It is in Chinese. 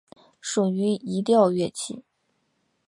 属于移调乐器。